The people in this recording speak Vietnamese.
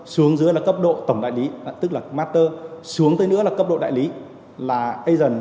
xuống dưới là cấp độ tổng đại lý tức là master xuống tới nữa là cấp độ đại lý là asian